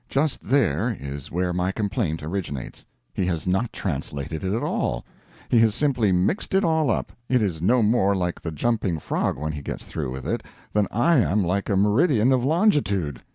Just there is where my complaint originates. He has not translated it at all; he has simply mixed it all up; it is no more like the Jumping Frog when he gets through with it than I am like a meridian of longitude.